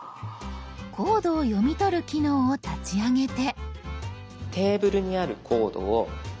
コードを読み取る機能を立ち上げて。